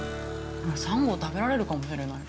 ◆３合、食べられるかもしれない。